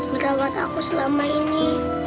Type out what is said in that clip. merawat aku selama ini